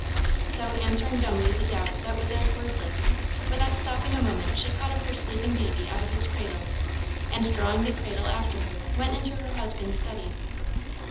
So, answering dumbly the doubt that was as wordless, without stopping a moment she caught up her sleeping baby out of its cradle, and drawing the cradle after her went into her husband's study.